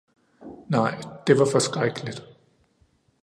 Nej, det var forskrækkeligt!